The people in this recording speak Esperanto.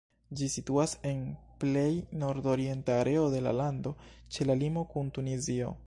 Ĝi situas en plej nordorienta areo de la lando, ĉe la limo kun Tunizio.